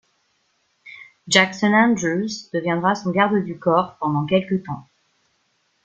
Jackson Andrews deviendra son garde du corps pendant quelque temps.